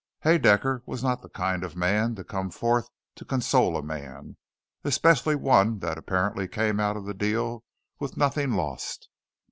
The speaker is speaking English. Haedaecker was not the kind of man to come forth to console a man; especially one that apparently came out of the deal with nothing lost.